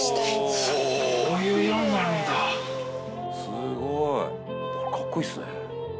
「すごい。かっこいいっすね」